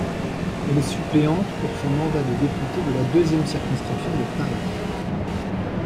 Elle est suppléante pour son mandat de député de la deuxième circonscription de Paris.